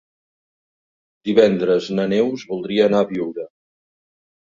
Divendres na Neus voldria anar a Biure.